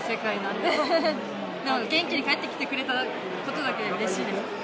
でも元気で帰ってきてくれたことだけでうれしいです。